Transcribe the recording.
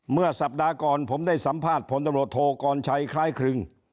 เมื่อสัปดาห์ก่อนผมได้สัมภาษณ์ผลตำรวจโทกรชัยคล้ายครึ่ง